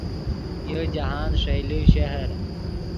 یو جاہند ݰئیلے شہر